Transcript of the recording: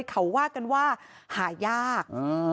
เขาว่ากันว่าหายาก